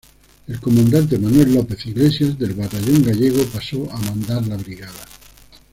El comandante Manuel López Iglesias, del batallón gallego, pasó a mandar la brigada.